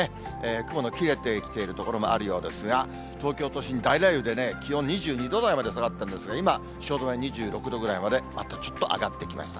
雲の切れてきている所もあるようですが、東京都心、大雷雨で気温２２度台まで下がったんですが、今、汐留２６度ぐらいまで、またちょっと上がってきました。